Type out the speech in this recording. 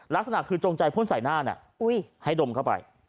ลักษณะคือจงใจพ่นใส่หน้าให้ดมเข้าไป